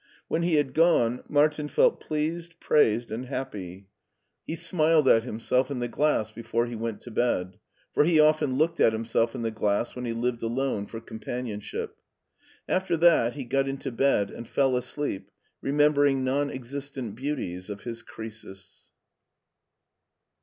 When he had gone Martin felt pleased, praised, and happy. He smiled LEIPSIC 103 at himself in the glass before he went to bed; for he often looked at himself in the glass when he lived alone for companionship. After that he got into bed and fell asleep remembering non existent beauties of his Croesus.